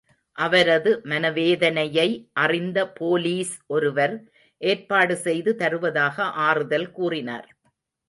அவரது மனவேதனையை அறிந்த போலீஸ் ஒருவர் ஏற்பாடு செய்து தருவதாக ஆறுதல் கூறினார்.